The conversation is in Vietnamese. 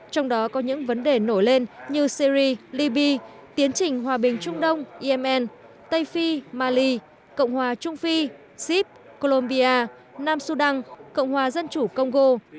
trong đó có những vấn đề nổi lên như syri libya tiến trình hòa bình trung đông yemen tây phi mali cộng hòa trung phi sip colombia nam sudan cộng hòa dân chủ congo